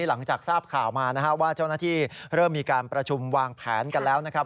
หลังจากทราบข่าวมานะครับว่าเจ้าหน้าที่เริ่มมีการประชุมวางแผนกันแล้วนะครับ